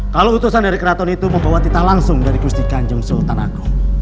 kalau utusan dari kraton itu membawa kita langsung dari kustikan jengsultan agung